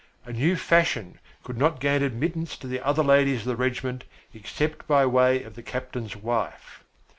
A new fashion could not gain admittance to the other ladies of the regiment except by way of the captain's wife.